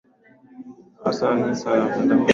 hayo yalikuwa maoni yaliyotolewa na wengi